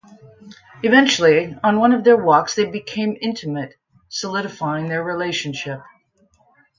Eventually on one of their walks they become intimate, solidifying their relationship.